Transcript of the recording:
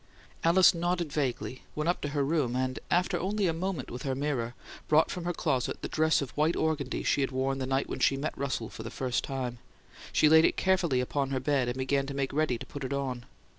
Alice nodded vaguely, went up to her room, and, after only a moment with her mirror, brought from her closet the dress of white organdie she had worn the night when she met Russell for the first time. She laid it carefully upon her bed, and began to make ready to put it on.